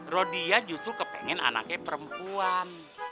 rodia justru kepengen anaknya perempuan